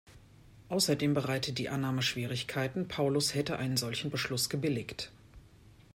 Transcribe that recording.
Außerdem bereitet die Annahme Schwierigkeiten, Paulus hätte einen solchen Beschluss gebilligt.